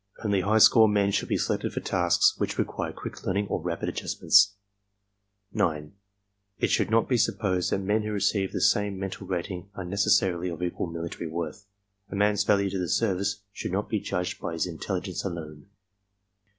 Only high score men should be selected for tasks which require quick learning or rapid adjustments. 9. It should not be supposed that men who receive the same mental rating are necessarily of equal military worth. A man's value to the service should not be judged by his intelligence alone.